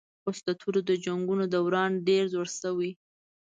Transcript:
اوس د تورو د جنګونو دوران ډېر زوړ شوی